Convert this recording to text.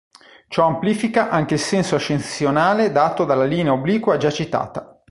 Ciò amplifica anche il senso ascensionale dato dalla linea obliqua già citata.